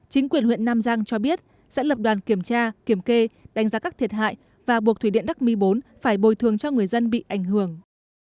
chính quyền huyện nam giang cho biết sẽ lập đoàn kiểm tra kiểm kê đánh giá các thiệt hại và buộc thủy điện đắc mi bốn phải bồi thường cho người dân bị ảnh hưởng